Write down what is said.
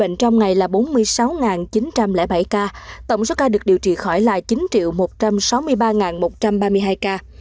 trong ngày là bốn mươi sáu chín trăm linh bảy ca tổng số ca được điều trị khỏi là chín một trăm sáu mươi ba một trăm ba mươi hai ca